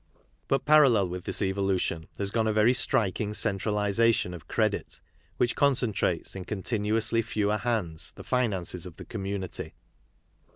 But parallel with this evolution has gone a very striking centralization of credit which concentrates in continuously fewer hands the finances of the community.